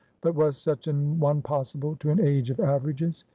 But was such an one possible to an age of averages?